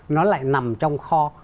nó lại nằm trong kho